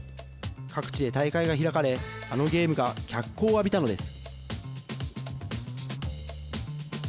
各地で大会が開かれあのゲームが脚光を浴びたのです。